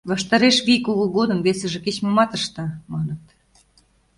Ваштареш вий кугу годым весыже кеч-момат ышта, маныт.